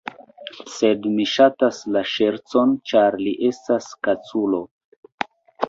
Sed mi ŝatas la ŝercon, ĉar li estas kaculo.